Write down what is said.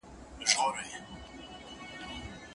شخصي او مزاجي توپیرونه د علمي کار مخه نیسي.